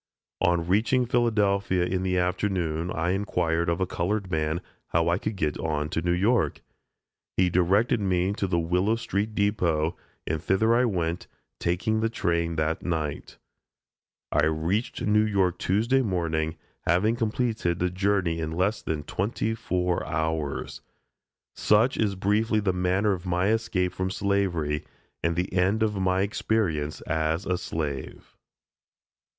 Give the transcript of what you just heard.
On reaching Philadelphia in the afternoon I inquired of a colored man how I could get on to New York? He directed me to the Willow street depot, and thither I went, taking the train that night. I reached New York Tuesday morning, having completed the journey in less than twenty four hours. Such is briefly the manner of my escape from slavery and the end of my experience as a slave.